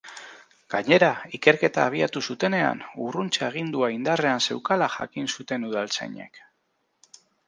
Gainera, ikerketa abiatu zutenean, urruntze agindua indarrean zeukala jakin zuten udaltzainek.